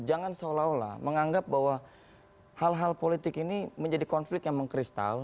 jangan seolah olah menganggap bahwa hal hal politik ini menjadi konflik yang mengkristal